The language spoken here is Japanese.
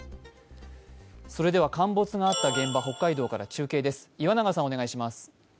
それでは陥没があった現場、北海道から中継です。